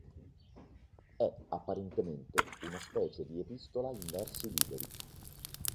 È apparentemente una specie di epistola in versi liberi.